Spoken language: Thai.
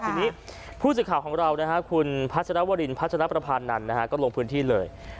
ทีนี้พูดสิทธิ์ข่าวของเรานะครับคุณพัชรวรินพัชรพระพาณนันนะครับก็ลงพื้นที่เลย